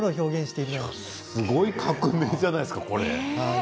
すごい革命じゃないですか。